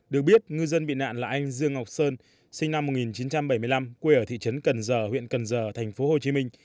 được biết ngư dân bị nạn là anh dương ngọc sơn sinh năm một nghìn chín trăm bảy mươi năm quê ở thị trấn cần giờ huyện cần giờ tp hcm